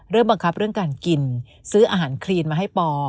บังคับเรื่องการกินซื้ออาหารคลีนมาให้ปอ